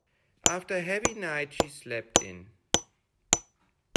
After a heavy night, she slept in.